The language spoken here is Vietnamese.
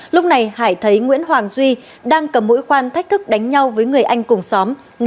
lúc này hải thấy nguyễn hoàng duy đang cầm mũi khoan thách thức đánh nhau với người anh cùng xóm